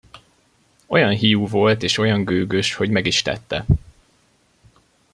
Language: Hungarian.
Olyan hiú volt és olyan gőgös, hogy meg is tette.